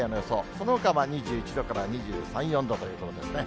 そのほかは２１度から２３、４度ということですね。